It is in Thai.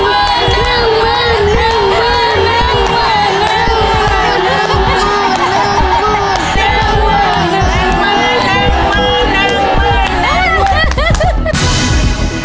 ไม่ออกไปลูก